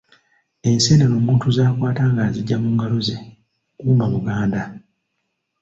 Enseenene omuntu z'akwata ng'aziggya mu ngalo ze gumba muganda.